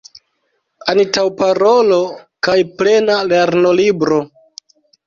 Antaŭparolo kaj plena lernolibro.